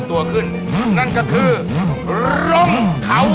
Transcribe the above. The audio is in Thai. เอาออกมาเอาออกมาเอาออกมา